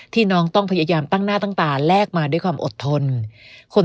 น้องต้องพยายามตั้งหน้าตั้งตาแลกมาด้วยความอดทนคน